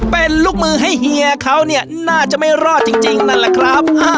เป็นลูกมือให้เฮียเขาเนี่ยน่าจะไม่รอดจริงนั่นแหละครับ